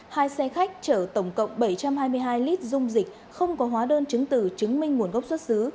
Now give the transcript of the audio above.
hai xe khách chở tổng cộng bảy trăm hai mươi hai lít dung dịch không có hóa đơn chứng từ chứng minh nguồn gốc xuất xứ